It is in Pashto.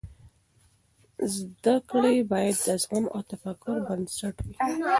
زده کړې باید د زغم او تفکر پر بنسټ وي.